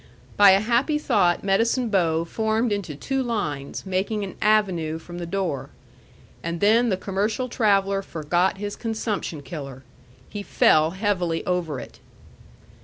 By a happy thought Medicine Bow formed into two lines, making an avenue from the door. And then the commercial traveller forgot his Consumption Killer. He fell heavily over it.